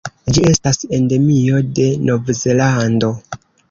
Ĝi estas endemio de Novzelando.